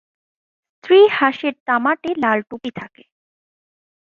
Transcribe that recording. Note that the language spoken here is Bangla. স্ত্রী হাঁসের তামাটে-লাল টুপি থাকে।